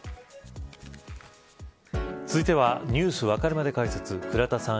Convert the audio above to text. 続いてはＮｅｗｓわかるまで解説倉田さん